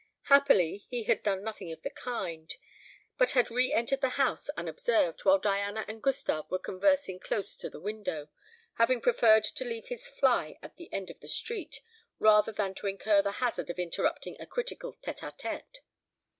Happily, he had done nothing of the kind, but had re entered the house unobserved, while Diana and Gustave were conversing close to the window, having preferred to leave his fly at the end of the street, rather than to incur the hazard of interrupting a critical tête à tête.